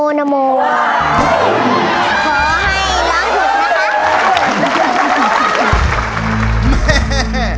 ขอให้ร้างถุดนะคะ